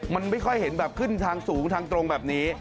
มันไม่ค่อยเห็นแบบขึ้นทางสูงทางตรงแบบนี้